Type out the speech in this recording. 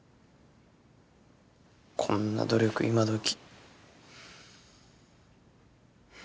こんな努力今どき。